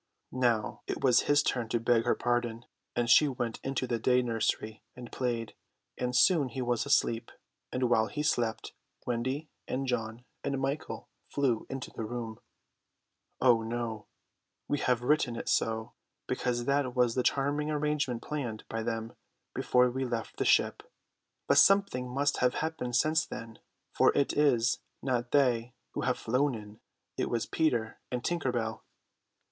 Now it was his turn to beg her pardon; and she went into the day nursery and played, and soon he was asleep; and while he slept, Wendy and John and Michael flew into the room. Oh no. We have written it so, because that was the charming arrangement planned by them before we left the ship; but something must have happened since then, for it is not they who have flown in, it is Peter and Tinker Bell.